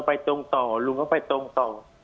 ไปตรงต่อลุงก็ไปตรงต่อ